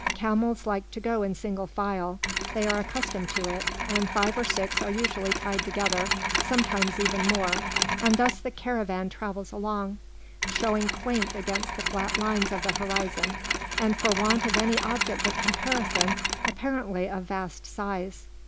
Camels like to go in single file; they are accustomed to it, and five or six are usually tied together, sometimes even more; and thus the caravan travels along, showing quaint against the flat lines of the horizon, and for want of any object of comparison, apparently of vast size.